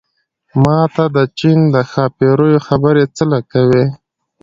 ما ته د چين د ښاپېرو خبرې څه له کوې